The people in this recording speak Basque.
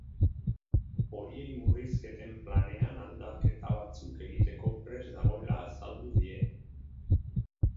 Horiei murrizketen planean aldaketa batzuk egiteko prest dagoela azaldu die.